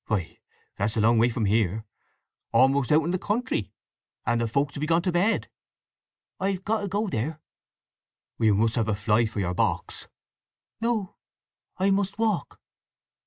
"Why, that's a long way from here; a'most out in the country; and the folks will be gone to bed." "I've got to go there." "You must have a fly for your box." "No. I must walk."